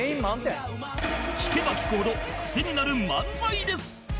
聞けば聞くほど癖になる漫才です